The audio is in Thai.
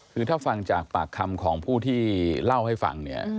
คือถ้าฟังจากปากคำของผู้ที่เล่าให้ฟังเนี่ย